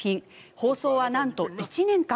放送は、なんと１年間。